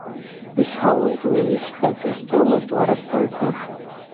Исҳәалоит уи, исҳәац, стәымызт, уара, стәым ҳәа.